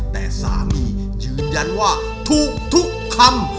แต่สามียืนยันว่าถูกทุกคำ